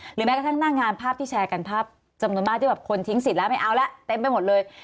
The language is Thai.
แม้กระทั่งหน้างานภาพที่แชร์กันภาพจำนวนมากที่แบบคนทิ้งสิทธิ์แล้วไม่เอาแล้วเต็มไปหมดเลย